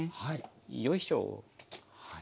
よいしょ。